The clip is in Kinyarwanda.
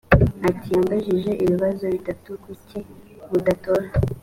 ati yambajije ibibazo bitatu kuki mudatora